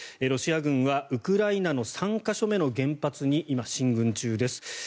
ロシア軍はウクライナの３か所目の原発に今、進軍中です。